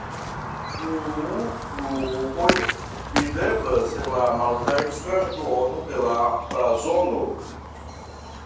Du lupoj videblas en la maldekstra duono de la blazono.